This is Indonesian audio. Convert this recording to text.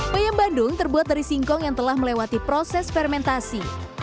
peyem bandung terbuat dari singkong yang telah melewati proses fermentasi